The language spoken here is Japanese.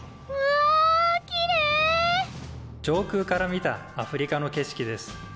上空から見たアフリカの景色です。